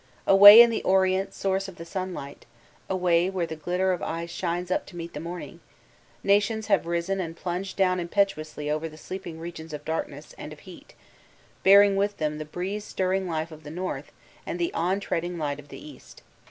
Away in the orient source of the sunlight, away where the glitter of ice shines up to meet the morning, nations have risen and plunged down impetuously over the sleeping regions of darkness and of heat, bearing with them the breeze stirring life of the north and the on trending light of the east.